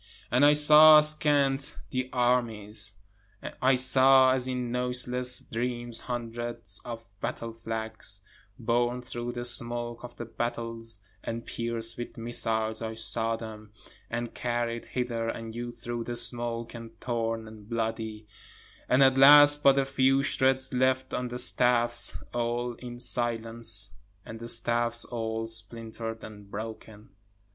And I saw askant the armies, I saw as in noiseless dreams hundreds of battle flags, Borne through the smoke of the battles and pierced with missiles I saw them, And carried hither and yon through the smoke and torn and bloody, And at last but a few shreds left on the staffs, (all in silence,) And the staffs all splinter'd and broken.